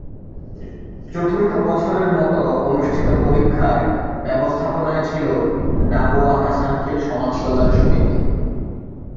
চতুর্থ বছরের মতো অনুষ্ঠিত পরীক্ষার ব্যবস্থাপনায় ছিল ডাবুয়া হাছানখীল সমাজকল্যাণ সমিতি।